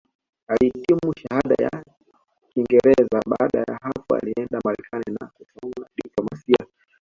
Alihitimu Shahada ya Kingereza Baada ya hapo alienda Marekani na kusomea diplomasia